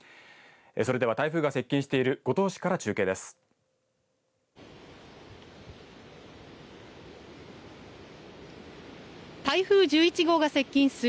それでは台風が接近している五島市から中継です。